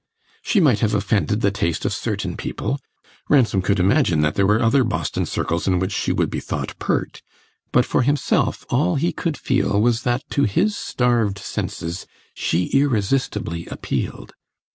She might have offended the taste of certain people Ransom could imagine that there were other Boston circles in which she would be thought pert; but for himself all he could feel was that to his starved senses she irresistibly appealed.